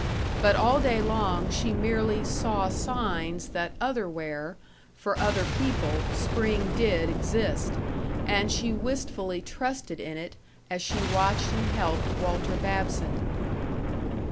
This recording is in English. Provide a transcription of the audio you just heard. But all day long she merely saw signs that otherwhere, for other people, spring did exist; and she wistfully trusted in it as she watched and helped Walter Babson.